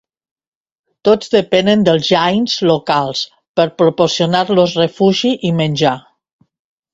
Tots depenen dels Jains locals per proporcionar-los refugi i menjar.